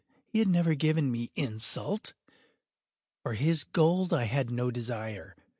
He had never given me insult. For his gold I had no desire.